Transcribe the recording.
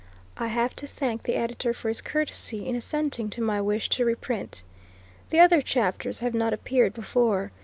I have to thank the editor for his courtesy in assenting to my wish to reprint. The other chapters have not appeared before.